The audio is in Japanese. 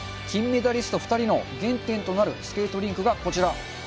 金メダリスト２人の原点となるスケートリンクがこちら。